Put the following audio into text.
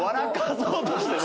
そうとしてる。